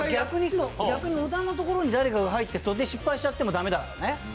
逆に小田のところに誰かが入って失敗しちゃってもだめだからね。